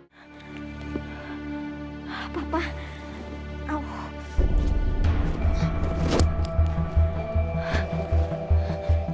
sampai jumpa di video selanjutnya